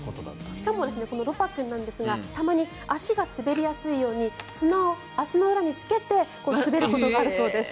しかも、このロパくんたまに足が滑りやすいように砂を足の裏につけて滑ることがあるそうです。